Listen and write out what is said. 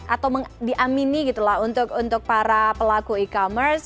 atau diamini gitu lah untuk para pelaku e commerce